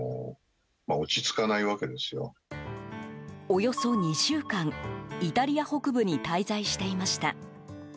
およそ２週間、イタリア北部に滞在していました。